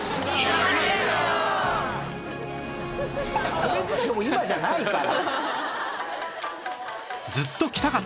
これ自体がもう今じゃないから。